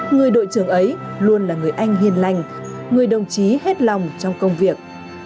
người đội trưởng ấy luôn là người anh hiền lành người đồng chí hết lòng trong công việc